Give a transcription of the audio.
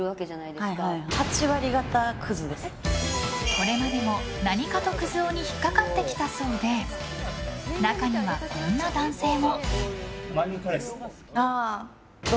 これまでも何かとクズ男に引っかかってきたそうで中には、こんな男性も。